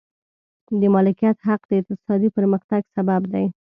د مالکیت حق د اقتصادي پرمختګ سبب دی.